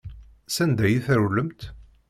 Sanda ay trewlemt?